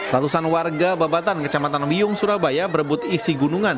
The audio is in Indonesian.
ratusan warga babatan kecamatan wiyung surabaya berebut isi gunungan